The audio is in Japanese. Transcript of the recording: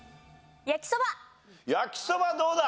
焼きそばどうだ？